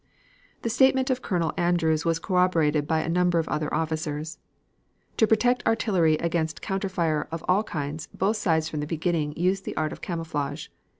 The statement of Colonel Andrews was corroborated by a number of other officers. To protect artillery against counter fire of all kinds, both sides from the beginning used the art of camouflage.